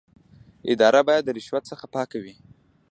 اداره باید د رشوت څخه پاکه وي.